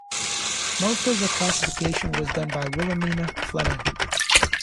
Most of the classification was done by Williamina Fleming.